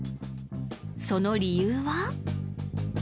その理由は？